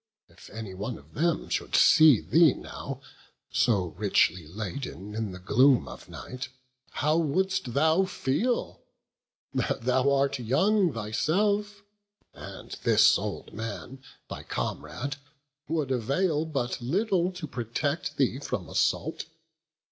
If any one of them should see thee now, So richly laden in the gloom of night, How wouldst thou feel? thou art not young thyself, And this old man, thy comrade, would avail But little to protect thee from assault.